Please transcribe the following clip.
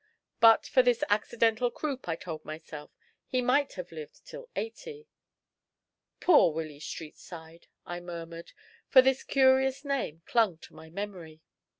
But for this accidental croup, I told myself, he might have lived till eighty. "Poor Willy Streetside!" I murmured, for his curious name clung to my memory.